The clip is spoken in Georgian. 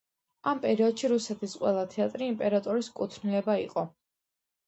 ამ პერიოდში რუსეთის ყველა თეატრი იმპერატორის კუთვნილება იყო.